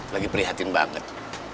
lagi prihatin banget